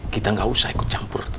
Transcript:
kita gak usah ikut campur